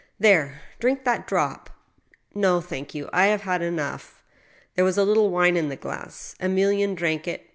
There ! drink that drop." " No, thank you, I have had enough." There was a little wine in the glass. Emilienne drank it.